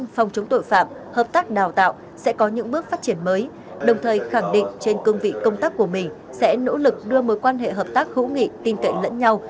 phòng chống tội phạm hợp tác đào tạo sẽ có những bước phát triển mới đồng thời khẳng định trên cương vị công tác của mình sẽ nỗ lực đưa mối quan hệ hợp tác hữu nghị tin cậy lẫn nhau